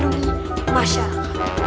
dan melindungi masyarakat